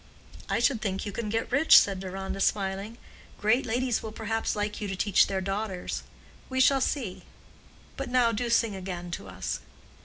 "I should think you can get rich," said Deronda, smiling. "Great ladies will perhaps like you to teach their daughters. We shall see. But now do sing again to us."